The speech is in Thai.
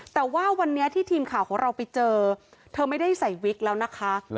แต่ว่าวันนี้ที่ทีมข่าวของเราไปเจอเธอไม่ได้ใส่วิกแล้วนะคะ